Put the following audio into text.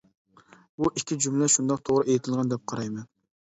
بۇ ئىككى جۈملە شۇنداق توغرا ئېيتىلغان دەپ قارايمەن.